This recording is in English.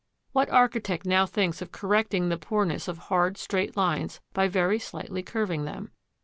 What architect now thinks of correcting the poorness of hard, straight lines by very slightly curving them?